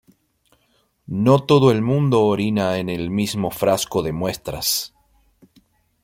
No todo el mundo orina en el mismo frasco de muestras".